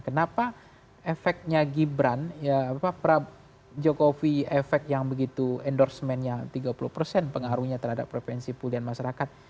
kenapa efeknya gibran pak jokowi efek endorsement nya tiga puluh pengaruhnya terhadap provinsi pulihan masyarakat